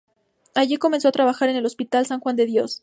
Allí empezó a trabajar en el Hospital San Juan de Dios.